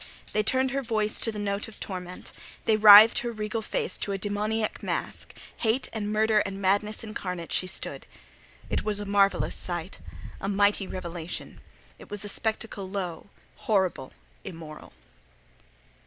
They tuned her voice to the note of torment. They writhed her regal face to a demoniac mask. Hate and Murder and Madness incarnate she stood. It was a marvellous sight: a mighty revelation. It was a spectacle low, horrible, immoral.